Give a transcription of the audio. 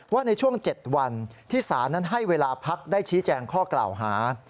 ว่าในช่วง๗วันที่สารนั้นให้เวลาพักได้ชี้แจงข้อกล่าวหา